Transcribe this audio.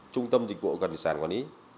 trung tâm dịch vụ cẩn thị sản quản lý